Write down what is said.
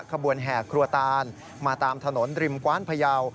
ขบวนแห่ครัวตานมาตามถนนริมกว้านพยาว